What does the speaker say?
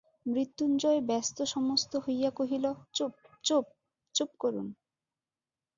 মৃত্যুঞ্জয় ব্যস্তসমস্ত হইয়া কহিল, চুপ, চুপ, চুপ করুন!